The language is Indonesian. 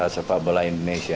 sepak bola indonesia